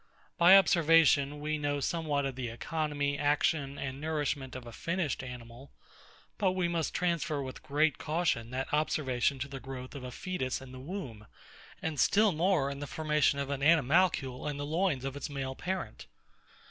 By observation, we know somewhat of the economy, action, and nourishment of a finished animal; but we must transfer with great caution that observation to the growth of a foetus in the womb, and still more to the formation of an animalcule in the loins of its male parent.